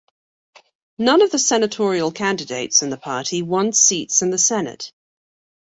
None of the senatorial candidates in the party won seats in the Senate.